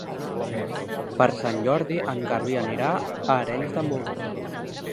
Per Sant Jordi en Garbí anirà a Arenys de Munt.